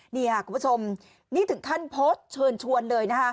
นี่ค่ะคุณผู้ชมนี่ถึงขั้นโพสต์เชิญชวนเลยนะคะ